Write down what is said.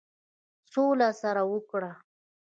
سوله سره وکړه.